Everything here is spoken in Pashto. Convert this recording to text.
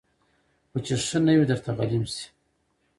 خو چي ښه نه وي درته غلیم سي